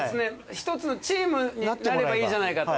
一つのチームになればいいじゃないかと。